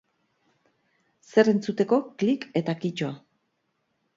Zer entzuteko, klik eta kitto.